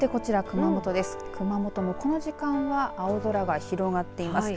熊本もこの時間は青空が広がっています。